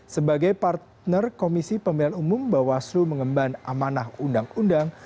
sebagai partner komisi pemilihan umum bawaslu mengemban amanah undang undang